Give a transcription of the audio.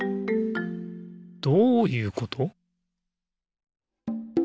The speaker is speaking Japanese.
どういうこと？